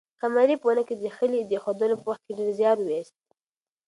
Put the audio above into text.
قمرۍ په ونې کې د خلي د اېښودلو په وخت کې ډېر زیار وایست.